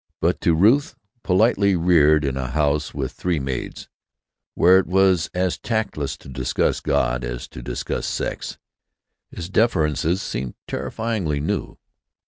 But to Ruth, politely reared in a house with three maids, where it was as tactless to discuss God as to discuss sex, his defiances seemed terrifyingly new....